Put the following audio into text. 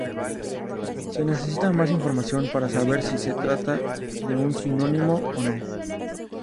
Se necesita más información para saber si se trata de un sinónimo o no.